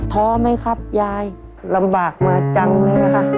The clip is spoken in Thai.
ท้อไม่ครับย่ายลำบากมาจังนะคะ